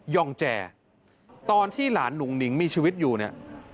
องแจตอนที่หลานหนุ่งหนิงมีชีวิตอยู่เนี่ย